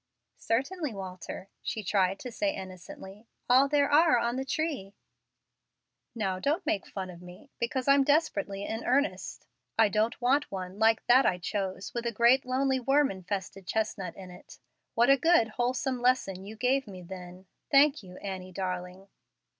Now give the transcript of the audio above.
"Certainly, Walter," she tried to say innocently, "all that are on the tree." "Now don't make fun of me, because I'm desperately in earnest. I don't want one like that I chose with a great lonely worm infested chestnut in it. What a good, wholesome lesson you gave me then! Thank you, Annie, darling."